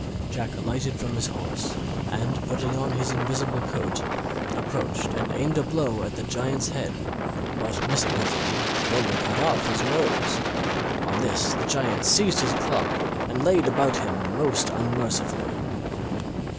Jack alighted from his horse, and, putting on his invisible coat, approached and aimed a blow at the Giant's head, but missing his aim he only cut off his nose. On this the Giant seized his club and laid about him most unmercifully.